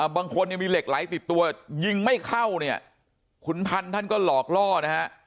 บางคนยังมีเหล็กไหลติดตัวยิงไม่เข้าเนี่ยขุนพันธ์ท่านก็หลอกล่อนะฮะ